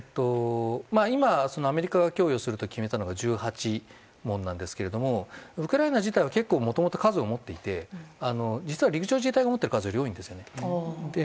今、アメリカが供与すると決めたのが１８門なんですがウクライナ自体は結構もともと数を持っていて実は陸上自衛隊が持っている数より多いんですよね。